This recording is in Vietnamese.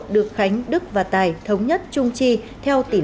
được khánh đức và tài thống nhất chung chi theo tỷ lệ nhất định